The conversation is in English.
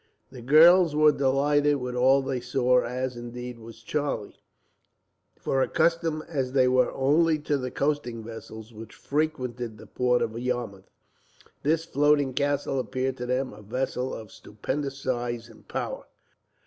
The girls were delighted with all they saw, as, indeed, was Charlie; for accustomed, as they were, only to the coasting vessels which frequented the port of Yarmouth, this floating castle appeared to them a vessel of stupendous size and power.